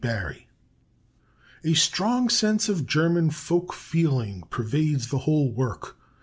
Barry: "A strong sense of German folk feeling pervades the whole work.